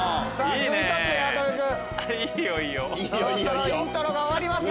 そろそろイントロが終わりますよ。